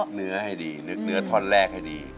เนื้อให้ดีนึกเนื้อท่อนแรกให้ดี